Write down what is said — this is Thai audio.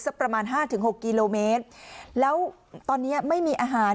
ประมาณห้าถึงหกกิโลเมตรแล้วตอนเนี้ยไม่มีอาหาร